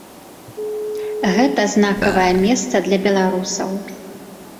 Гэта знакавае месца для беларусаў.